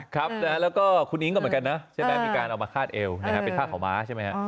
ครับแล้วก็คุณอิ๊งก็เหมือนกันนะมีการเอามาคาดเอวเป็นคาดขาวม้าใช่ไหมครับ